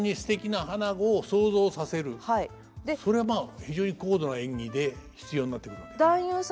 それはまあ非常に高度な演技で必要になってくるわけですね。